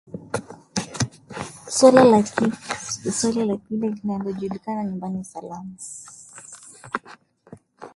suala la kile kinachojulikana kama nyumba salama